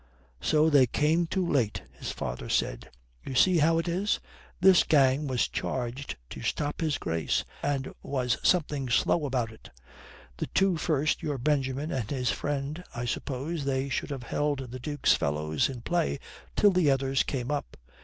So they came too late," his father said. "You see how it is. This gang was charged to stop his Grace, and was something slow about it. The two first, your Benjamin and his friend, I suppose they should have held the Duke's fellows in play till the others came up.